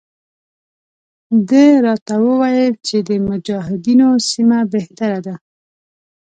ده راته وویل چې د مجاهدینو سیمه بهتره ده.